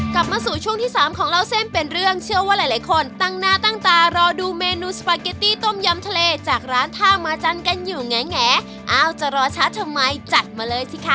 กลับมาสู่ช่วงที่สามของเล่าเส้นเป็นเรื่องเชื่อว่าหลายคนตั้งหน้าตั้งตารอดูเมนูสปาเกตตี้ต้มยำทะเลจากร้านท่ามาจันทร์กันอยู่แงอ้าวจะรอช้าทำไมจัดมาเลยสิคะ